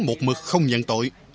một mực không nhận tội